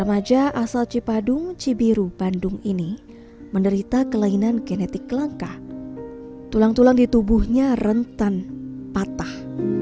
remaja asal cipadung cibiru bandung ini menderita kelainan genetik langka tulang tulang di tubuhnya rentan patah